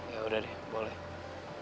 ya udah deh boleh